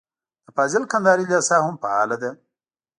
د فاضل کندهاري لېسه هم فعاله ده.